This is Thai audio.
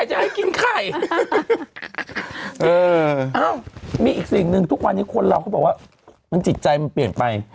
หรือทุกวันนี้คนเราก็บอกว่าจิตใจมันเปลี่ยนไป